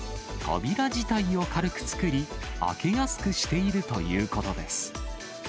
扉自体を軽く作り、開けやすくしているということです。